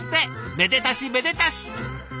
めでたしめでたし！